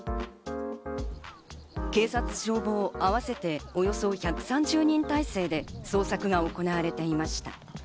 警察・消防あわせて、およそ１３０人態勢で捜索が行われていました。